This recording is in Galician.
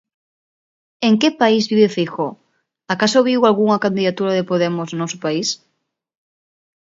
En que país vive Feijóo, acaso viu algunha candidatura de Podemos no noso país?